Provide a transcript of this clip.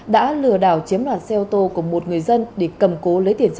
đã lừa đảo chiếm loạt xe ô tô của một người dân để cầm cố lấy tiền